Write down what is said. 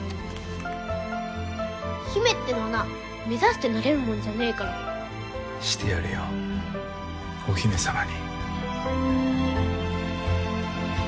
姫ってのはな目指してなれるもんじゃしてやるよお姫様に。